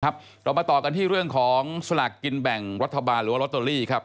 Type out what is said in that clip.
เรามาต่อกันที่เรื่องของสลากกินแบ่งรัฐบาลหรือว่าลอตเตอรี่ครับ